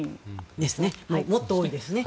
もっと多いですね。